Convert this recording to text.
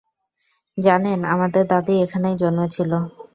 জানেন, আমাদের দাদি এখানেই জন্মেছিল।